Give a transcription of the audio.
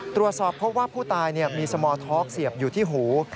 ตรวจสอบพบว่าผู้ตายมีสมอร์ท็อกเสียบอยู่ที่หู